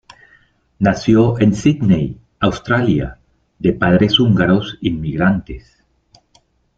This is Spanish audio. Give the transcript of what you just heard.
Nació en Sídney, Australia, de padres húngaros inmigrantes.